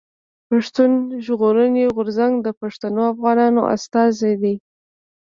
پښتون ژغورني غورځنګ د پښتنو افغانانو استازی دی.